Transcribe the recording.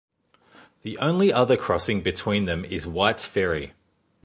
The only other crossing between them is White's Ferry.